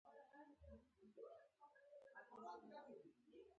هغې ګڼې کورنۍ او بهرنۍ جایزې ترلاسه کړي.